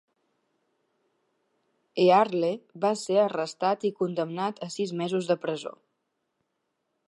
Earle va ser arrestat i condemnat a sis mesos de presó.